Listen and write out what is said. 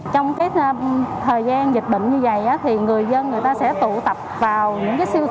trong thời gian dịch bệnh như vậy người dân sẽ tụ tập vào những siêu thị rất đông